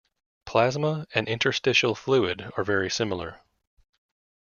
Plasma and interstitial fluid are very similar.